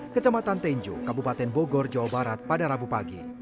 kecamatan tenjo kabupaten bogor jawa barat pada rabu pagi